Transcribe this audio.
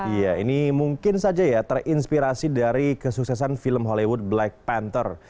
iya ini mungkin saja ya terinspirasi dari kesuksesan film hollywood black panther